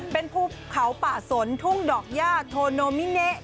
เป็นภูเขาป่าสนทุ่งดอกย่าโทโนมิเนะ